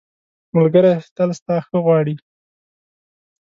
ملګری تل ستا ښه غواړي.